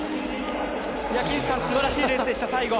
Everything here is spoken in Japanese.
すばらしいレースでした、最後。